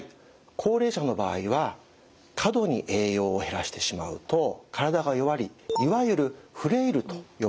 高齢者の場合は過度に栄養を減らしてしまうと体が弱りいわゆるフレイルと呼ばれる状態になってしまいます。